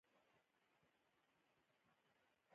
د کندهار په نیش کې د فلورایټ کان شته.